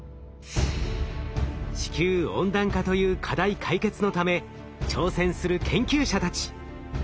地球温暖化という課題解決のため挑戦する研究者たち。